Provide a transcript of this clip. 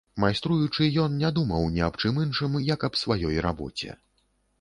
Майструючы, ён не думаў ні аб чым іншым, як аб сваёй рабоце.